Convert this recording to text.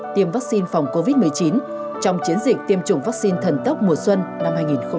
tiêm vaccine phòng covid một mươi chín trong chiến dịch tiêm chủng vaccine thần tốc mùa xuân năm hai nghìn hai mươi